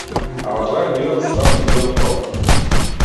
Ама тоа е нивен срам и нивен проблем.